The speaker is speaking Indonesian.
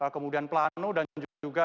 kemudian plano dan juga